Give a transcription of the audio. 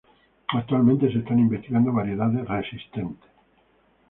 Actualmente se están investigando variedades" "resistentes.